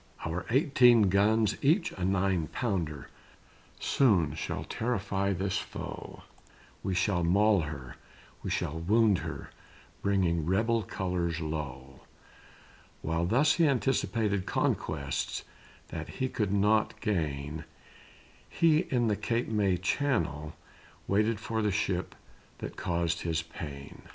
"Our eighteen guns, each a nine pounder, Soon shall terrify this foe; We shall maul her, we shall wound her, Bringing rebel colors low." While he thus anticipated Conquests that he could not gain, He in the Cape May channel waited For the ship that caused his pain.